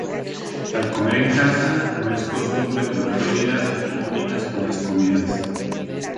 Al comer en casa, no es costumbre tomar bebidas alcohólicas con las comidas.